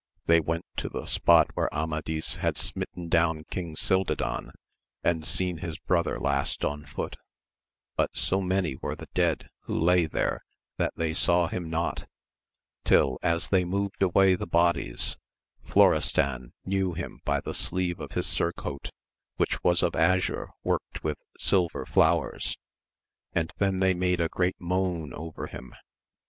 They went to the spot where Amadis had smitten down King Cildadan, and seen his brother last on foot ; but so many were the dead who la}^ there that they saw him not, till as they moved away the bodies, Florestan knew him by the sleeve of his surcoat, which was of azure worked with silver flowers, and then they made great moan over him.